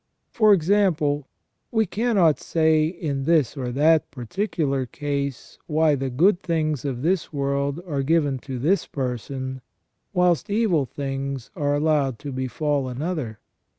For example, we cannot say in this or that particular case why the good things of this world are given to this person, whilst evil things are allowed to befall another.